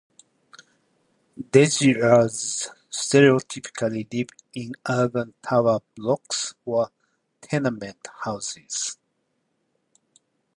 Dresiarze stereotypically live in urban tower blocks or tenement houses.